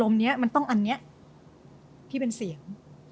นี้มันต้องอันนี้พี่เป็นเสียง